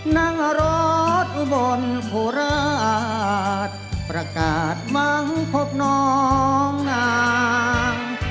นั่งรถอุบลโคราชประกาศมั้งพบน้องนาง